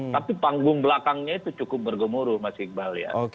tapi panggung belakangnya itu cukup bergemuruh mas iqbal ya